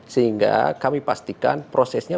sehingga kami pastikan prosesnya